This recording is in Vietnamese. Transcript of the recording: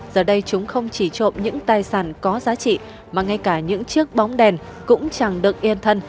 giờ đây chúng không chỉ trộm những tài sản có giá trị mà ngay cả những chiếc bóng đèn cũng chẳng được yên thân